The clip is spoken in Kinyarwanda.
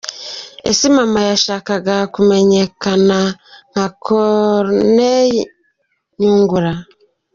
Ese mama yashakaga kumenyekana nka Corneille Nyungura?